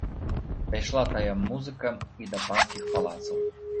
Дайшла тая музыка і да панскіх палацаў.